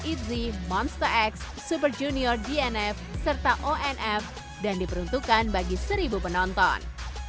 ez monster x super junior dnf serta onf dan diperuntukkan bagi seribu penonton